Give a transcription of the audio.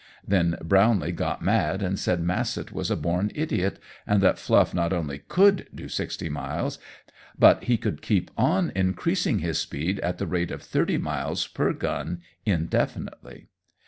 Then Brownlee got mad and said Massett was a born idiot, and that Fluff not only could do sixty miles, but he could keep on increasing his speed at the rate of thirty miles per gun indefinitely.